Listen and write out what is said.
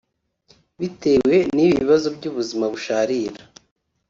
bitewe n’ibi bibazo by’ubuzima busharira